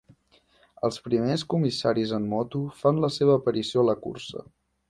Els primers comissaris en moto fan la seva aparició a la cursa.